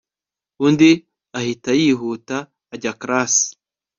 ubundi ahita yihuta ajya class